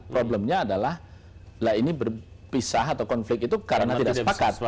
problemnya adalah ini berpisah atau konflik itu karena tidak sepakat